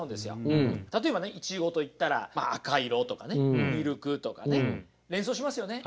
例えばねイチゴといったら赤色とかねミルクとかね連想しますよね。